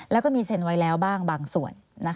แล้วก็มีเซ็นไว้แล้วบ้างบางส่วน